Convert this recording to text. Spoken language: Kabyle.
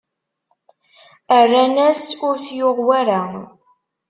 Rran-as: Ur t-yuɣ wara!